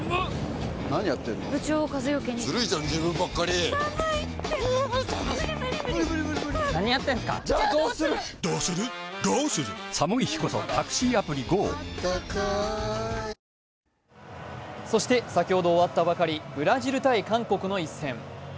へぇそして先ほど終わったばかり、ブラジル×韓国の一戦。